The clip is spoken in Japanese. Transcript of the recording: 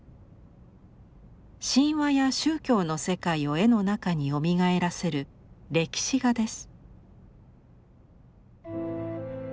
神話や宗教の世界を絵の中によみがえらせる歴史画です。